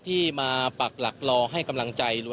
ที่มาปักหลักรอให้กำลังใจ